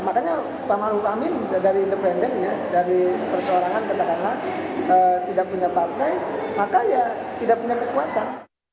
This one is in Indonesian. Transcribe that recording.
makanya pak maluh amin dari independennya dari persoarangan tidak punya partai makanya tidak punya kekuatan